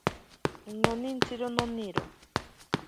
Nonintsiro noniro.